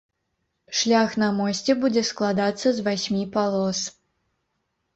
Шлях на мосце будзе складацца з васьмі палос.